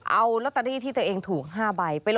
เอาลอตเตอรี่ที่ตัวเองถูก๕ใบ